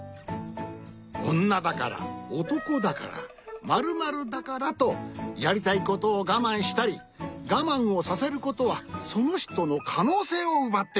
おんなだからおとこだから○○だからとやりたいことをがまんしたりがまんをさせることはそのひとのかのうせいをうばってしまう。